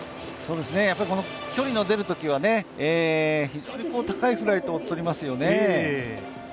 距離の出るときは非常に高いフライトを飛びますよね。